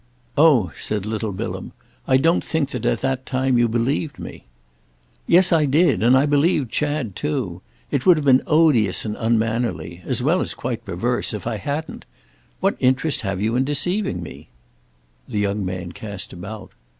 "Oh," said little Bilham, "I don't think that at that time you believed me." "Yes—I did; and I believed Chad too. It would have been odious and unmannerly—as well as quite perverse—if I hadn't. What interest have you in deceiving me?" The young man cast about.